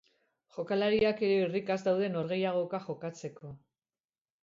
Jokalariak ere irrikaz daude norgehiagoka jokatzeko.